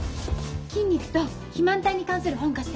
筋肉と肥満体に関する本貸して。